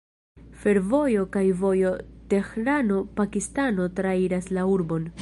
Fervojo kaj vojo Tehrano-Pakistano trairas la urbon.